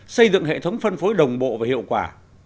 xây dựng hệ thống phân phối đồng bộ và hiệu quả